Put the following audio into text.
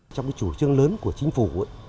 trong chủ trương lớn của chính phủ hai nghìn một mươi sáu